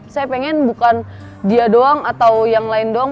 saya pengen bukan dia doang atau yang lain doang